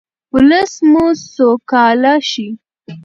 ولس مو سوکاله شي.